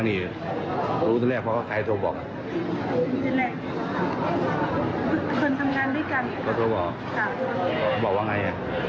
ว่าเกิดปัตตีนี้แล้วก็มีแฟนตัวเองอยู่ในคุณนั้นด้วย